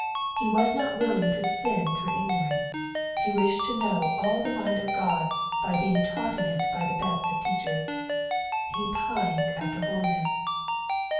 He was not willing to sin through ignorance, he wished to know all the mind of God by being taught it by the best of teachers. He pined after holiness.